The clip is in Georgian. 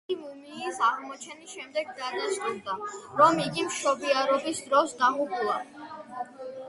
მისი მუმიის აღმოჩენის შემდეგ დადასტურდა, რომ იგი მშობიარობის დროს დაღუპულა.